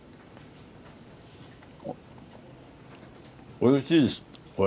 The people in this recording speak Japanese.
おいしいですこれ。